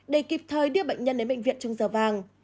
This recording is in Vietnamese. để kịp thời đưa bệnh nhân đến bệnh viện trưng giờ vàng